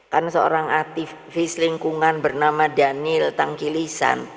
kan seorang aktivis lingkungan bernama daniel tangkilisan